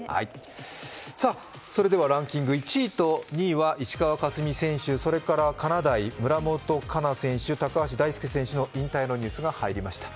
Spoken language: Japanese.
それではランキング、１位と２位は石川佳純選手、それからかなだい、村元哉中選手、高橋大輔選手の引退のニュースが入りました。